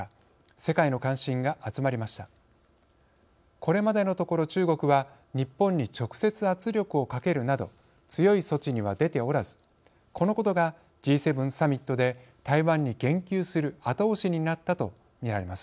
これまでのところ中国は日本に直接圧力をかけるなど強い措置には出ておらずこのことがＧ７サミットで台湾に言及する後押しになったとみられます。